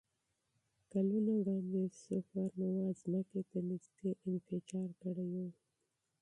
کلونه وړاندې سوپرنووا ځمکې ته نږدې انفجار کړی وي.